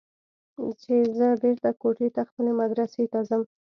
چې زه بېرته کوټې ته خپلې مدرسې ته ځم.